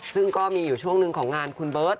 ซึ่งก็มีอยู่ช่วงหนึ่งของงานคุณเบิร์ต